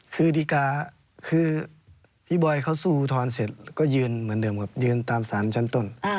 คือดีการ์คือพี่บอยเขาสู้อุทธรณ์เสร็จก็ยืนเหมือนเดิมครับยืนตามสารชั้นต้น